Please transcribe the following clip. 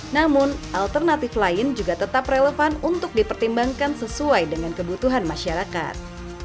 namun alternatif lain juga tetap relevan untuk dipertimbangkan sesuai dengan kebutuhan masyarakat